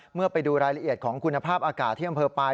ไปดูรายละเอียดของคุณภาพอากาศที่อำเภอปลาย